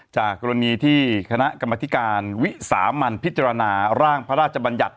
จากกรณีที่คณะกรรมธิการวิสามันพิจารณาร่างพระราชบัญญัติ